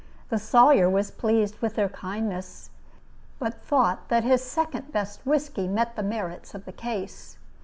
The Sawyer was pleased with their kindness, but thought that his second best whiskey met the merits of the case.